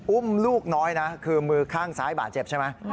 อุ้มลูกน้อยนะคือมือข้างซ้ายบาดเจ็บใช่ไหม